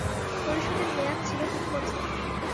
পরিষদের মেয়াদ ছিল তিন বছর।